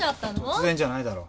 突然じゃないだろ。